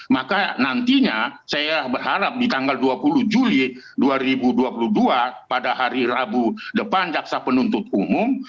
maka nantinya saya berharap di tanggal dua puluh juli dua ribu dua puluh dua pada hari rabu depan jaksa penuntut umum